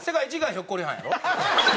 ひょっこりはん